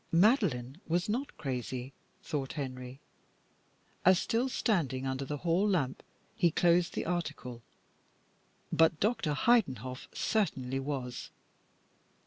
Madeline was not crazy, thought Henry, as still standing under the hall lamp he closed the article, but Dr. Heidenhoff certainly was.